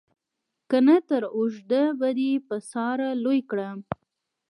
که نه تر اوږده به دې په ساره لوی کړم.